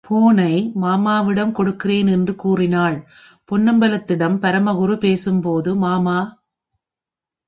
போனை மாமாவிடம் கொடுக்கறேன், என்று கூறினாள் பொன்னம்பலத்திடம் பரமகுரு பேசும்போது, மாமா!